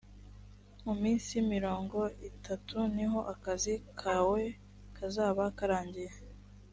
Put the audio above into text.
mu minsi mirongo itatu niho akazi kawe kazaba karangiye